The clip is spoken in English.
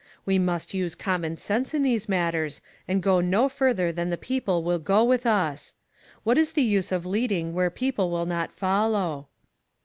We must use common sense in these matters, and go no farther than the people will go with us. What is the use in leading where people will not follow?"